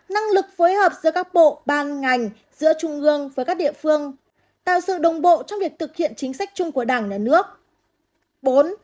năng lực phối hợp giữa các bộ ban ngành giữa trung ương với các địa phương tạo sự đồng bộ trong việc thực hiện chính sách chung của đảng nhà nước